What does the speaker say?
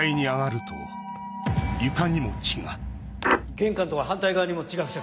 玄関とは反対側にも血が付着。